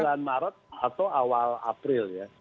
bulan maret atau awal april ya